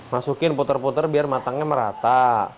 masukin putar putar biar matangnya merata